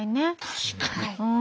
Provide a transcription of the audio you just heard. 確かに。